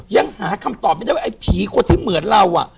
ยังหาคำตอบไม่ได้ว่าไอ้ผีคนที่เหมือนเรา